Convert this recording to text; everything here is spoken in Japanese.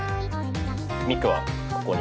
ミクはここに。